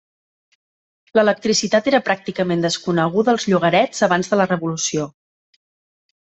L'electricitat era pràcticament desconeguda als llogarets abans de la revolució.